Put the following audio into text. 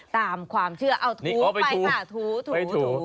ตามความเชื่อเอาทูไปส่าวทู